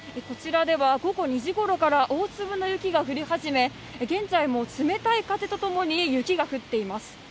こちらでは午後２時ごろから大粒の雪が降り始め、現在も冷たい風と共に雪が降っています。